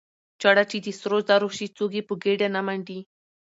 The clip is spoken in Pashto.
ـ چاړه چې د سرو زرو شي څوک يې په ګېډه نه منډي.